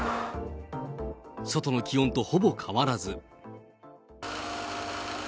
外の気温とほぼ変わらず。